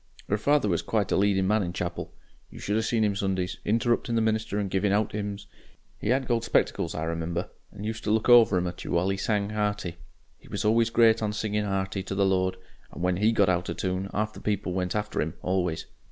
"'Er father was quite a leadin' man in chapel. You should ha' seen him Sundays, interruptin' the minister and givin' out 'ims. He had gold spectacles, I remember, and used to look over 'em at you while he sang hearty he was always great on singing 'earty to the Lord and when HE got out o' toon 'arf the people went after 'im always.